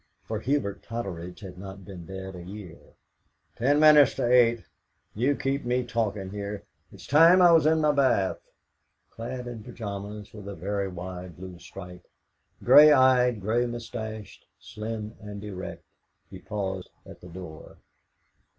for Hubert Totteridge had not been dead a year. "Ten minutes to eight! You keep me talking here; it's time I was in my bath." Clad in pyjamas with a very wide blue stripe, grey eyed, grey moustached, slim and erect, he paused at the door.